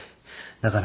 だから。